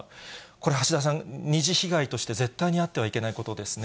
これ、橋田さん、二次被害として絶対にあってはいけないことですね。